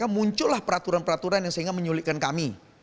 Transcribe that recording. muncullah peraturan peraturan yang sehingga menyulitkan kami